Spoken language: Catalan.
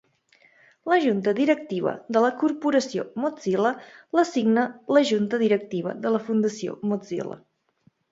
La junta directiva de la Corporació Mozilla l'assigna la junta directiva de la Fundació Mozilla.